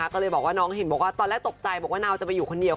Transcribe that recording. ก็เลยบอกว่าน้องเห็นบอกว่าตอนแรกตกใจบอกว่านาวจะไปอยู่คนเดียว